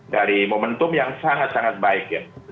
dari momentum yang sangat sangat baik ya